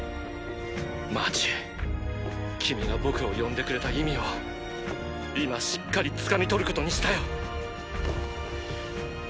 マーチ君が僕を呼んでくれた意味を今しっかりつかみ取ることにしたよ